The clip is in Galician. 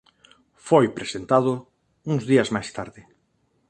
Foi presentado uns días máis tarde.